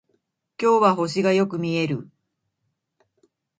今日は星がよく見える